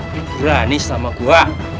berani sama gua